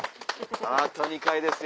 あと２回ですよ。